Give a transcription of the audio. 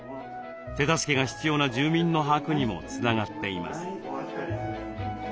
手助けが必要な住民の把握にもつながっています。